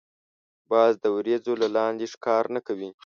باز د وریځو له لاندی ښکار نه کوي